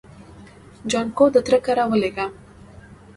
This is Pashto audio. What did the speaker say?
جانکو د تره کره ولېږه.